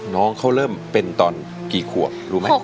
น้องเขาเริ่มเป็นตอนกี่ขวบรู้ไหม